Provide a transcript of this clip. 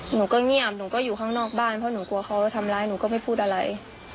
หนูก็เงียบหนูก็อยู่ข้างนอกบ้านเพราะหนูกลัวเขาแล้วทำร้ายหนูก็ไม่พูดอะไร